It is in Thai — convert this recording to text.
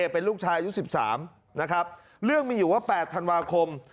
เป็นลูกชายอายุ๑๓นะครับเรื่องมีอยู่ว่า๘ธันวาคม